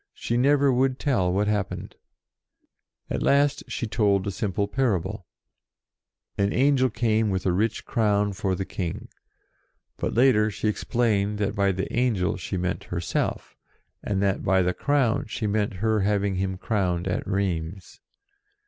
She never would tell what happened. At last she told a simple parable : an Angel Joan facing her Judges HER TRIAL 103 came with a rich crown for the King. But, later, she explained that by the Angel she meant herself, and that by the Crown, she meant her having him crowned at Rheims.